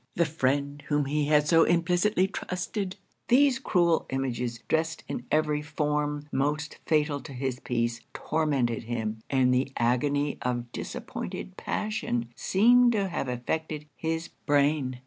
the friend whom he had so implicitly trusted!' These cruel images, drest in every form most fatal to his peace, tormented him, and the agony of disappointed passion seemed to have affected his brain.